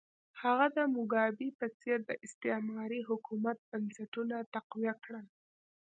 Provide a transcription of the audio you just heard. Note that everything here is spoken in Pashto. هغه د موګابي په څېر د استعماري حکومت بنسټونه تقویه کړل.